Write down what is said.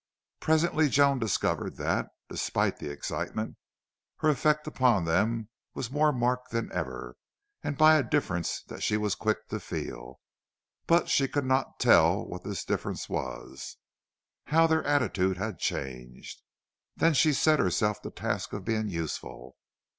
Presently Joan discovered that, despite the excitement, her effect upon them was more marked then ever, and by a difference that she was quick to feel. But she could not tell what this difference was how their attitude had changed. Then she set herself the task of being useful.